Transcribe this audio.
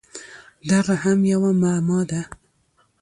دغه هم یوه معما ده!